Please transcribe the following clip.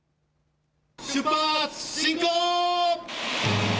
出発進行！